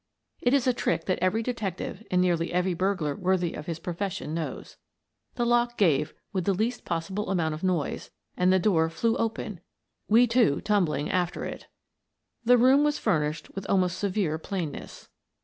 It is a trick that every detective and nearly every burglar worthy of his profession knows. The lock gave with the least possible amount of noise and the door flew open, we two tumbling after it. The room was furnished with almost severe plain ness.